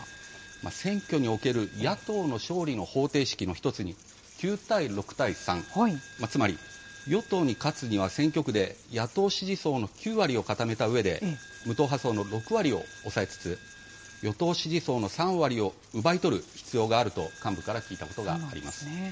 選挙における野党の勝利の方程式の１つに、９対６対３、つまり、与党に勝つには、選挙区で野党支持層の９割を固めたうえで、無党派層の６割を押さえつつ、与党支持層の３割を奪い取る必要があると、幹部から聞いたことがあります。